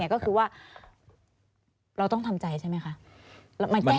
ก็คือว่าเราต้องทำใจใช่ไหมคะมันแก้งไม่ได้ใช่ไหม